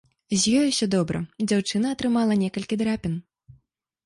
З ёй усё добра, дзяўчына атрымала некалькі драпін.